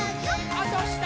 あ、どした！